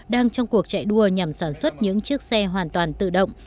đang trong cuộc chạy đua nhằm sản xuất những chiếc xe hoàn toàn tự động